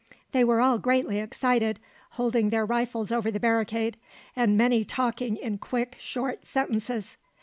They were all greatly excited, holding their rifles over the barricade, and many talking in quick short sentences.